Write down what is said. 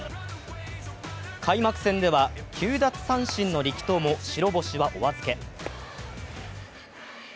開幕戦では９奪三振の力投も白星はお預け。